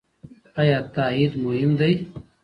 ايا تاييد مهم دی؟